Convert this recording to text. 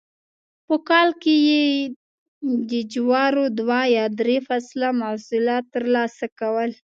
په کال کې یې د جوارو دوه یا درې فصله محصولات ترلاسه کول